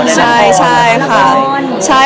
ใช่ใช่ค่ะ